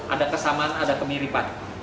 ada kesamaan ada kemiripan